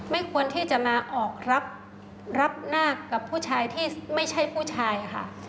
ไม่ควรที่จะมาออกรับหน้ากับผู้ชายที่ไม่ใช่ผู้ชายค่ะ